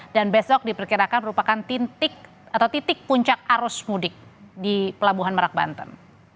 dan besok diperkirakan merupakan titik puncak arus mudik di pelabuhan merak banten